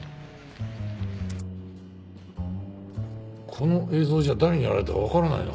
この映像じゃ誰にやられたかわからないな。